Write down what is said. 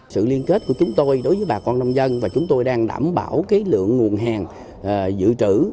sự liên kết của chúng tôi đối với bà con nông dân và chúng tôi đang đảm bảo lượng nguồn hàng dự trữ